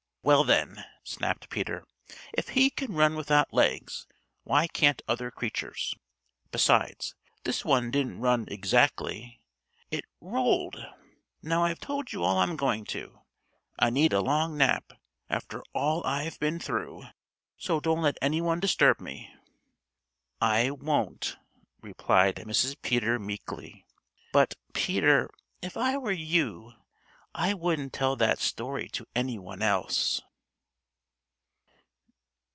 "Well, then," snapped Peter, "if he can run without legs, why can't other creatures? Besides, this one didn't run exactly; it rolled. Now I've told you all I'm going to. I need a long nap, after all I've been through, so don't let any one disturb me." "I won't," replied Mrs. Peter meekly. "But, Peter, if I were you, I wouldn't tell that story to any one else."